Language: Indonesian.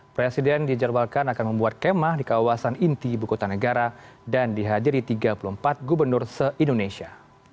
presiden dijadwalkan akan membuat kemah di kawasan inti ibu kota negara dan dihadiri tiga puluh empat gubernur se indonesia